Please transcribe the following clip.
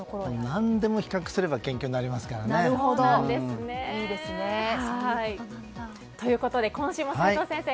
何でも比較すれば研究になりますからね。ということで今週も齋藤先生